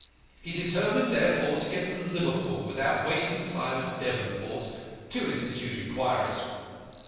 He determined therefore to get to Liverpool, without wasting time at Devonport, to institute inquiries.